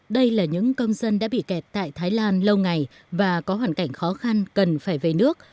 đây là những công dân đã bị kẹt tại thái lan lâu ngày và có hoàn cảnh khó khăn cần phải về nước